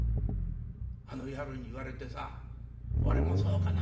あの野郎に言われてさ俺も『そうかな』。